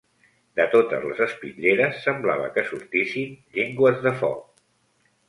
De totes les espitlleres semblava que sortissin llengües de foc